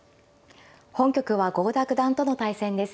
本局は郷田九段との対戦です。